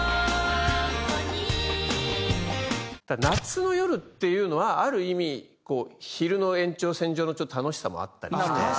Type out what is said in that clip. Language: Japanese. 夏の夜っていうのはある意味昼の延長線上の楽しさもあったりして。